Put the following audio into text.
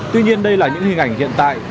tuy nhiên đây là những hình ảnh hiện tại